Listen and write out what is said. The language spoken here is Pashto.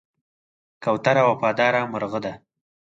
کوتره وفاداره مرغه ده.